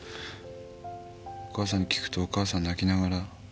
「お母さんに聞くとお母さん泣きながら」。